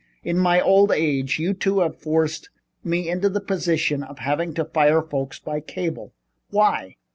In my old age you two have forced us into the position of having to fire folks by cable. Why?